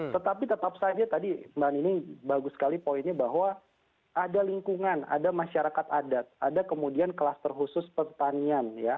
tetapi tetap saja tadi mbak nini bagus sekali poinnya bahwa ada lingkungan ada masyarakat adat ada kemudian kluster khusus petanian ya